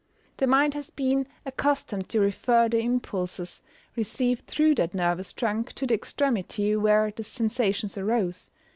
_The mind has been accustomed to refer the impulses received through that nervous trunk to the extremity where the sensations arose.